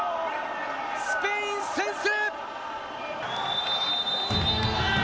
スペイン、先制！